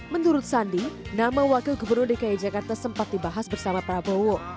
menurut sandi nama wakil gubernur dki jakarta sempat dibahas bersama prabowo